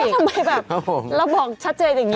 แล้วทำไมแบบโอ้หึแล้วเราบอกชัดเจนอย่างนี้